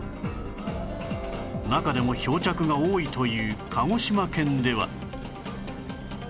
中でも漂着が多いという鹿児島県では